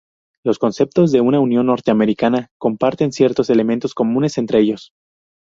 Los conceptos de una Unión Norteamericana comparten ciertos elementos comunes entre ellos.